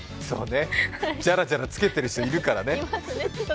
じゃらじゃらつけてる人いるからね。